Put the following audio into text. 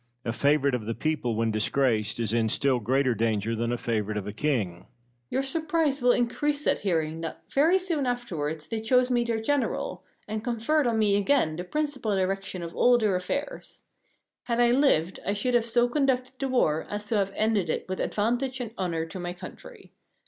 A favourite of the people, when disgraced, is in still greater danger than a favourite of a king. Pericles. Your surprise will increase at hearing that very soon afterwards they chose me their general, and conferred on me again the principal direction of all their affairs. Had I lived I should have so conducted the war as to have ended it with advantage and honour to my country.